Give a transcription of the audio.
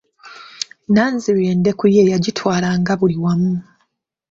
Nanziri endeku ye yagitwalanga buli wamu.